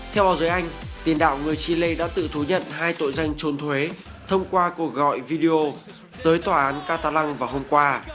theo báo giới anh tiền đạo người chile đã tự thú nhận hai tội danh trốn thuế thông qua cuộc gọi video tới tòa án katalang vào hôm qua